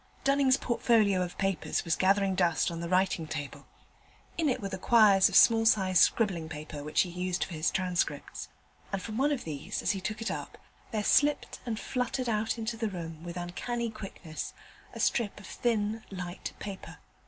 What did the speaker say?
Dunning's portfolio of papers was gathering dust on the writing table. In it were the quires of small sized scribbling paper which he used for his transcripts: and from one of these, as he took it up, there slipped and fluttered out into the room with uncanny quickness, a strip of thin light paper.